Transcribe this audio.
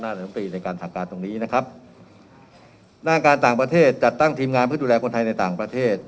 ลำตรีในการสั่งการตรงนี้นะครับหน้าการต่างประเทศจัดตั้งทีมงานเพื่อดูแลคนไทยในต่างประเทศ